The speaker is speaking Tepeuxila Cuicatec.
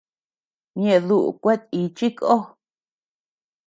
¿Ñeʼe duʼu kuetíchi ko?